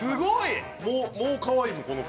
もうかわいいもんこの子。